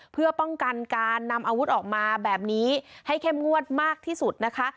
เพื่อป้องกันการนำอาวุธออกมาแบบนี้ให้เข้มงวดมากที่สุดนะคะ